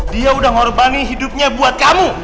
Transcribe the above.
dia udah ngorbani hidupnya buat kamu